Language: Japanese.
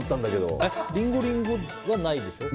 リンゴリンゴはないでしょ？